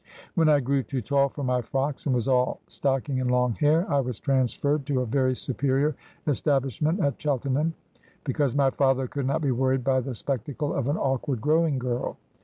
When I grew too tall for my frocks, and was all stocking and long hair, I was transferred to a very superior establishment at Chelten ham, because my father could not be worried by the spectacle of an awkward growing girl.